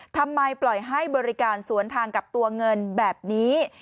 ทำไมปล่อยให้บริการสวนทางกับตัวเงินแบบนี้